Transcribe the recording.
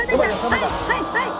はいはいはい！